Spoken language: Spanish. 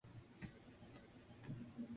La gran mayoría de las especies son fósiles.